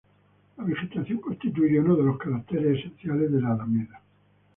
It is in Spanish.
La vegetación constituye unos de los caracteres esenciales de la Alameda.